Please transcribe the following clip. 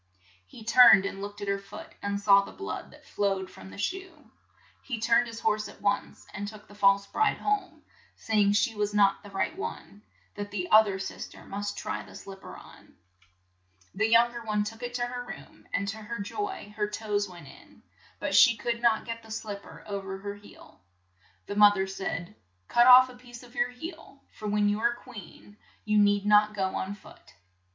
He turned and looked at her foot, and saw the blood that flowed from the shoe. He turned his horse at once, and took the false bride home, say ing she was not the right one, that the oth er sis ter must try the slip per on. The young er one s 4? 104 CINDERELLA took it to her room, and to her joy her toes went in, but she could not get the slip per o ver her heel. The moth er said ; "Cut off a piece of your heel, for when you are queen you need not go on foot."